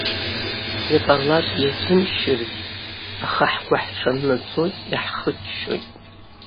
Иҟалап иазымшьыргьы, аха ҳгәыҳҽаннаҵоит, иаҳхыччоит.